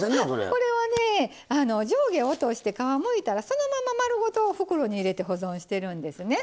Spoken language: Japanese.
これはね上下落として皮むいたらそのまま丸ごと袋に入れて保存してるんですね。